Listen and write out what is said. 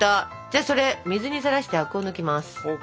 じゃあそれ水にさらしてアクを抜きます。ＯＫ。